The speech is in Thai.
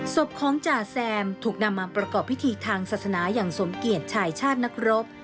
ศพของจ่าแซมถูกนำมาประกอบพิธีทางศาสนาอย่างสมเกียจชายชาตินักรบ